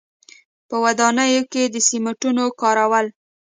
په ودانیو کې د سیمنټو کارول.